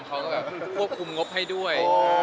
เขาก็แบบควบคุมงบให้ด้วย